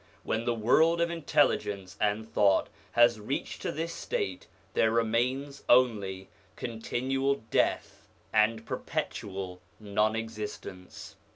When the world of intelligence and thought has reached to this state, there remain only continual death and perpetual non existence.